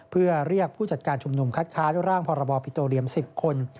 เพื่อเรียกผู้จัดการชุมนุมคัดค้านร่างพรบปิโตเรียม๑๐คน